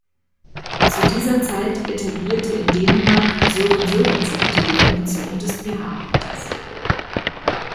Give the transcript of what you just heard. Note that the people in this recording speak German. Zu dieser Zeit etablierte in Dänemark Sören Sörensen die Definition des pH-Wertes.